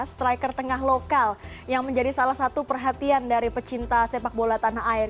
striker tengah lokal yang menjadi salah satu perhatian dari pecinta sepak bola tanah air